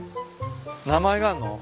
名前があんの？